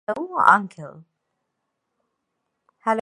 Hello, uncle.